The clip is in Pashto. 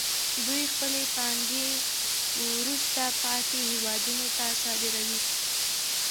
دوی خپلې پانګې وروسته پاتې هېوادونو ته صادروي